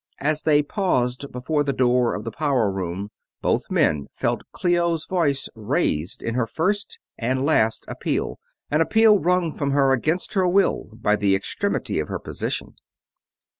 As they paused before the door of the power room, both men felt Clio's voice raised in her first and last appeal, an appeal wrung from her against her will by the extremity of her position.